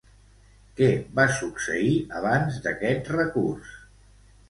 Què va succeir abans d'aquest recurs?